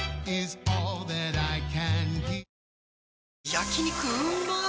焼肉うまっ